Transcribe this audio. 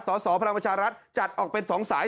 สอสอภาระประชารัฐจัดออกเป็นสองสาย